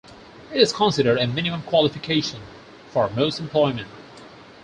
It is considered a minimum qualification for most employment.